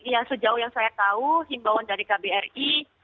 ya sejauh yang saya tahu himbauan dari kbri